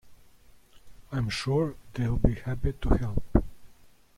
I'm sure they'll be happy to help.